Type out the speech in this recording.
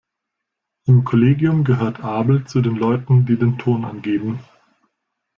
Im Kollegium gehört Abel zu den Leuten, die den Ton angeben.